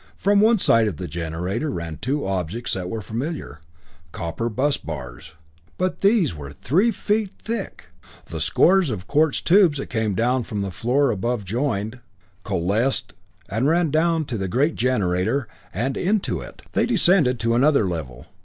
From one side of the generator, ran two objects that were familiar, copper bus bars. But even these were three feet thick! The scores of quartz tubes that come down from the floor above joined, coalesced, and ran down to the great generator, and into it. They descended to another level.